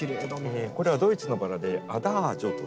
これはドイツのバラで「アダージョ」という。